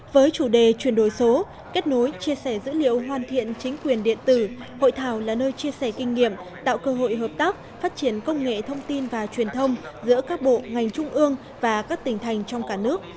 với chủ đề chuyển đổi số kết nối chia sẻ dữ liệu hoàn thiện chính quyền điện tử hội thảo là nơi chia sẻ kinh nghiệm tạo cơ hội hợp tác phát triển công nghệ thông tin và truyền thông giữa các bộ ngành trung ương và các tỉnh thành trong cả nước